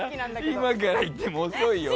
今から言っても遅いよ。